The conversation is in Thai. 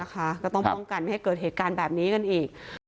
ก็ต้องป้องกันไม่ให้เกิดเหตุการณ์แบบนี้กันอีก